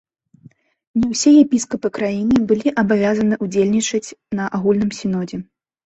Не ўсе епіскапы краіны былі абавязаныя ўдзельнічаць на агульным сінодзе.